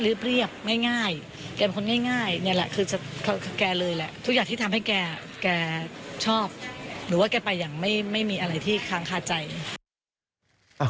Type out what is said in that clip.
หรือว่าแกไปอย่างไม่มีอะไรที่ค้างคาใจ